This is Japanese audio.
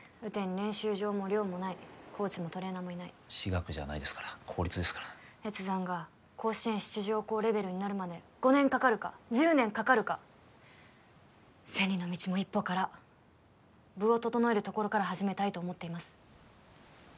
練習場も寮もないコーチもトレーナーもいない私学じゃないですから公立ですから越山が甲子園出場校レベルになるまで５年かかるか１０年かかるか千里の道も一歩から部を整えるところから始めたいと思っています